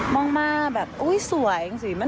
มองมาแบบอุ้ยสวย